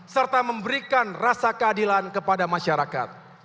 serta memberikan rasa keadilan kepada masyarakat